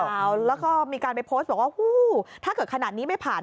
แล้วก็มีการไปโพสต์บอกว่าหูถ้าเกิดขนาดนี้ไม่ผ่าน